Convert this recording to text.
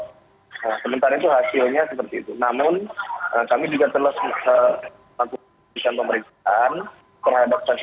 ya sementara memang dari hasil pemeriksaan kami baru mengindikasikan bahwa pelaku ini bermain sendiri dia tidak berafiliasi oleh travel ataupun agen pemberangkatan umroh